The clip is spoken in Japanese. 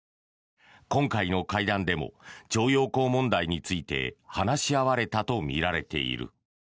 今回の会談でも徴用工問題について話し合われたとみられている。